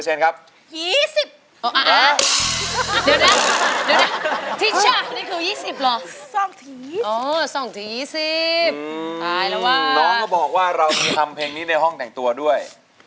น้องเขาบอกว่าเราจะทำเพลงนี้ในห้องแต่งตัวด้วย